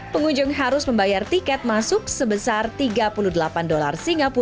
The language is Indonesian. pengunjung harus membayar tiket masuk sebesar tiga puluh delapan dolar